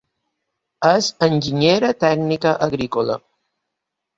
És enginyera tècnica agrícola.